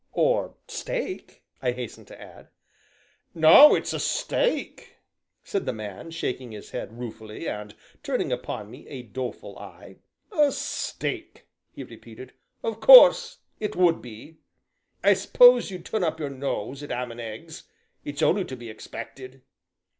"Or steak," I hastened to add. "Now it's a steak!" said the man, shaking his head ruefully, and turning upon me a doleful eye, "a steak!" he repeated; "of course it would be; I s'pose you'd turn up your nose at 'am and eggs it's only to be expected."